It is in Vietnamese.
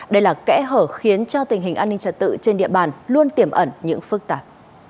đây là kẽ hở khiến cho tình hình an ninh trật tự trên địa bàn luôn tiềm ẩn những phức tạp